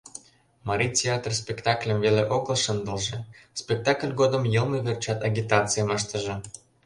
Марий театр спектакльым веле огыл шындылже, спектакль годым йылме верчат «агитацийым» ыштыже.